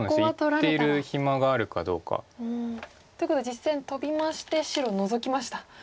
いってる暇があるかどうか。ということで実戦トビまして白ノゾきました。